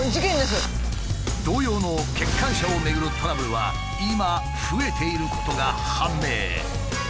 同様の欠陥車をめぐるトラブルは今増えていることが判明。